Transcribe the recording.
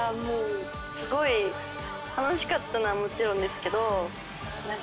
すごい楽しかったのはもちろんですけど。